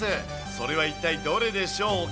それは一体どれでしょうか。